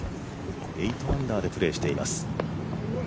８アンダーでプレーしています。